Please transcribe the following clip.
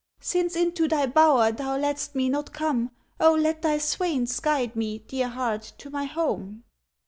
ŌĆØ ŌĆ£Since into thy bower thou lettŌĆÖst me not come, O let thy swains guide me, dear heart, to my home.